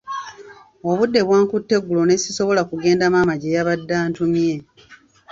Obudde bwankutte eggulo n’essisobola kugenda maama gye yabadde antumye.